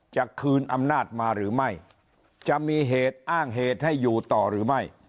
จะคืนอำนาจมาหรือไม่จะมีเหตุอ้างเหตุให้อยู่ต่อหรือไม่